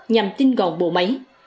và làm tin gọn bộ máy